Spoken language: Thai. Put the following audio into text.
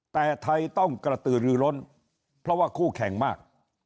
แต่ไทยต้องกระตือรือล้นเพราะว่าคู่แข่งมาก